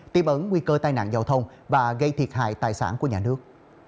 tiêm ấn nguy cơ tai nạn giao thông và gây thiệt hại tài sản của nhà nước